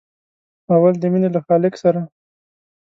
اول د مینې له خالق سره.